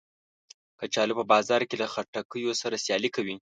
کچالو په بازار کې له خټکیو سره سیالي کوي